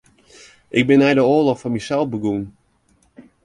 Ik bin nei de oarloch foar mysels begûn.